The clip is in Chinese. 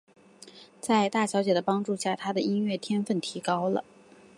在大小姐的帮助下他的音乐天份提高了。